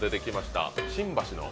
新橋の。